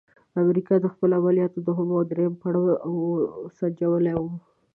امریکا د خپلو عملیاتو دوهم او دریم پړاو سنجولی وو.